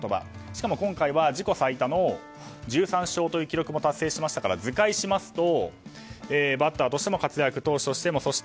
しかも今回は自己最多の１３勝の記録も達成しましたから図解しますとバッターとしても活躍投手としても。